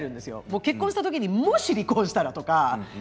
結婚した時にもし、離婚したらとか。